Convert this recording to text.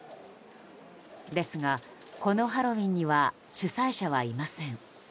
ですが、このハロウィーンには主催者はいません。